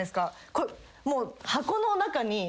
これもう。